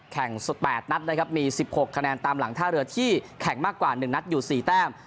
๑๘นัดนะครับมี๑๖คะแนนตามหลังท่าเรือที่แข่งมากกว่า๑นัดอยู่๔แต้ม